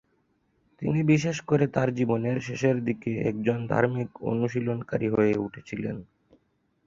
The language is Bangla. তিনি বিশেষ করে তার জীবনের শেষের দিকে একজন ধার্মিক অনুশীলনকারী হয়ে উঠেছিলেন।